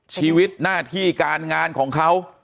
ชีวิตหน้าที่การงานของเขา